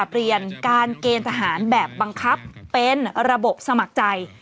เปลี่ยนการเกณฑ์ทหารแบบบังคับเป็นระบบสมัครใจ